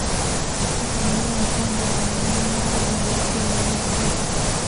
kuhamia upande wa Muammar Gaddafi wa Libya